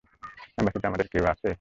অ্যাম্বাসিতে আমাদের কেউ আছে?